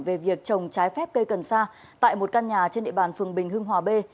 về việc trồng trái phép cây cần sa tại một căn nhà trên địa bàn phường bình hưng hòa b